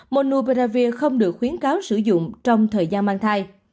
monopiravir không được khuyến cáo sử dụng trong thời gian mang thai